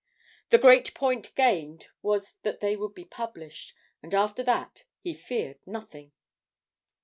The great point gained was that they would be published, and after that he feared nothing.